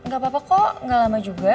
gak apa apa kok gak lama juga